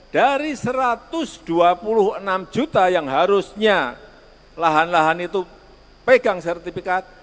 dari satu ratus dua puluh enam juta yang harusnya lahan lahan itu pegang sertifikat